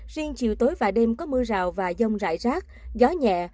riêng chiều tối và đêm có mưa rào và dông rải rác gió nhẹ